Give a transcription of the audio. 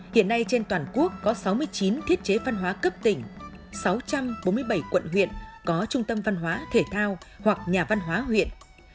hiện nay trên toàn quốc có sáu mươi chín thiết chế văn hóa cấp tỉnh sáu trăm bốn mươi bảy quận huyện có trung tâm văn hóa thể thao hoặc nhà văn hóa huyện